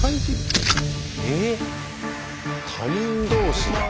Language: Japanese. えっ⁉他人同士だ。